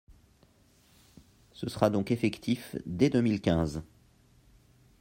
Ce sera donc effectif dès deux mille quinze.